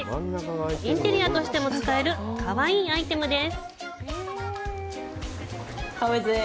インテリアとしても使えるかわいいアイテムです。